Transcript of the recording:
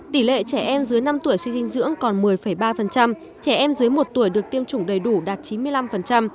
tỷ lệ trẻ em dưới năm tuổi suy dinh dưỡng còn một mươi ba trẻ em dưới một tuổi được tiêm chủng đầy đủ đạt chín mươi năm